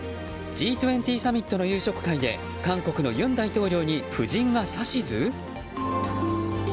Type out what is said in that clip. Ｇ２０サミットの夕食会で韓国の尹大統領に夫人が指図？